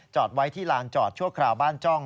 ไว้ที่ลานจอดชั่วคราวบ้านจ้อง